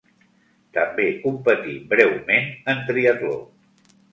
També competí -breument- en triatló.